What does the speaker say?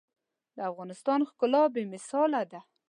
د افغانستان ښکلا بې مثاله ده.